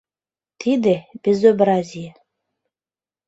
Тиде — безобразие!..